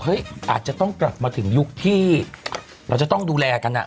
อาจจะต้องกลับมาถึงยุคที่เราจะต้องดูแลกัน